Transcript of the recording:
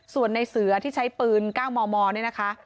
ส่วนในเสือที่ใช้ปืนก้างมมนี้นะคะ